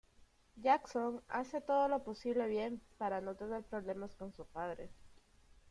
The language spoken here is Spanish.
Jackson hace todo lo posible bien para no tener problemas con su padre.